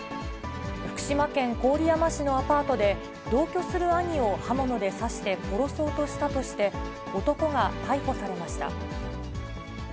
福島県郡山市のアパートで、同居する兄を刃物で刺して殺そうとしたとして、男が逮捕されました。